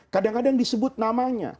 kadang kadang disebut namanya